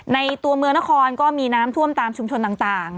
ในตัวเมืองนครก็มีน้ำท่วมตามชุมชนต่าง